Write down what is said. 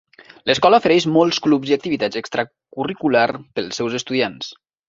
L'escola ofereix molts clubs i activitats extracurricular pels seus estudiants.